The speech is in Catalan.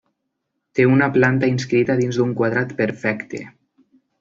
Té una planta inscrita dins un quadrat perfecte.